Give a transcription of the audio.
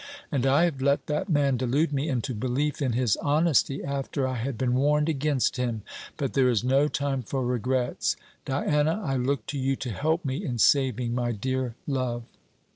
And I have let that man delude me into belief in his honesty after I had been warned against him! But there is no time for regrets. Diana, I look to you to help me in saving my dear love."